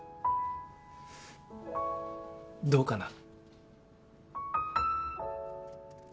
どうかな？